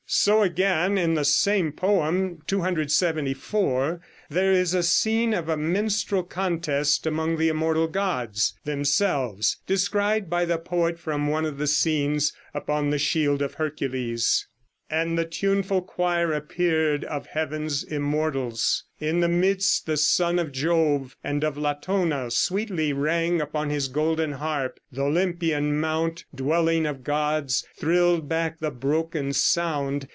So again in the same poem (274) there is a scene of a minstrel contest among the immortal gods themselves, described by the poet from one of the scenes upon the shield of Hercules. "And the tuneful choir appear'd Of heaven's immortals; in the midst, the son Of Jove and of Latona sweetly rang Upon his golden harp; th' Olympian mount, Dwelling of gods, thrill'd back the broken sound.